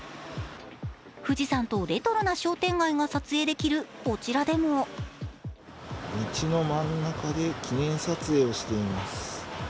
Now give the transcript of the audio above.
富士山とレトロな商店街が撮影できるこちらでも道の真ん中で記念撮影をしています。